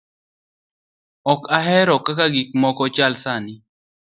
ok ahero kaka gik moko chal sani'